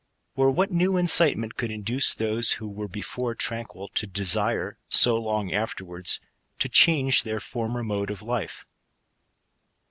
Or what new incitement could induce those, who were before tranquil, to desire, so long afterwards, to change their former mode qf\i£e?